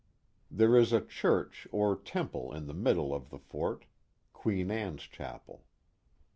There is a church or temple in the middle of the fort (Queen Anne's Chapel).